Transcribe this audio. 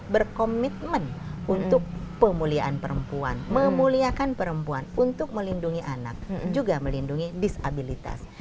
berkomitmen untuk pemulihan perempuan memuliakan perempuan untuk melindungi anak juga melindungi disabilitas